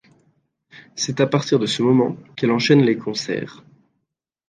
C'est à partir de ce moment qu'elle enchaîne les concerts.